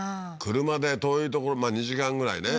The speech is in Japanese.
車で遠い所まで２時間ぐらいね